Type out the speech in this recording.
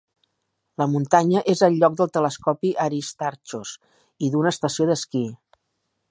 La muntanya és el lloc del telescopi Aristarchos i d'una estació d'esquí.